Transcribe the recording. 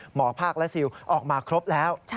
หมอภาคและซิลออกมาครบแล้ว